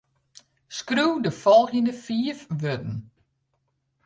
Skriuw de folgjende fiif wurden.